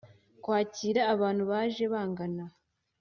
kwakira abantu baje bangana